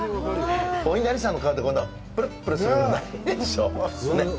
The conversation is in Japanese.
おいなりさんの皮で、こんなぷるっぷるするのないでしょう？ねえ。